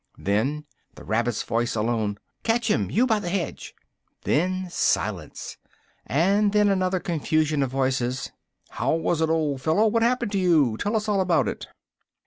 then the rabbit's voice alone "catch him, you by the hedge!" then silence, and then another confusion of voices, "how was it, old fellow? what happened to you? tell us all about it."